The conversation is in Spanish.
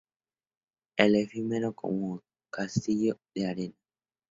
Efímero como un castillo de arena